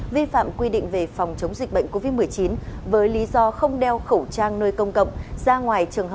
vi phạm quy định về phòng chống dịch bệnh covid một mươi chín với lý do không đeo khẩu trang nơi công cộng